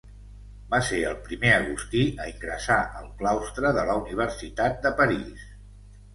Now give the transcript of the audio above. Va ser el primer agustí a ingressar al claustre de la Universitat de París.